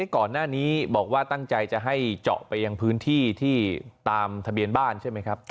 ก่อนหน้านี้บอกว่าตั้งใจจะให้เจาะไปยังพื้นที่ที่ตามทะเบียนบ้านใช่ไหมครับ